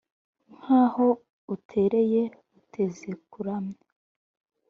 nk’aho utereye uteze kuramya